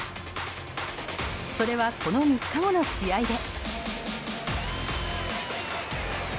それは、この３日後の試合で。